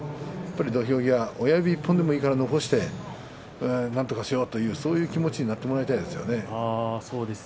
土俵際、親指１本でもいいから残してなんとかしようというそういう気持ちになってほしいです。